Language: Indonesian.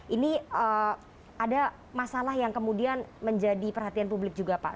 ini ada masalah yang kemudian menjadi perhatian publik juga pak